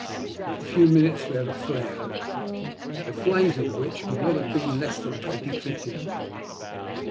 In a few minutes we had a flare the flames of which could not have been less than twenty feet in height.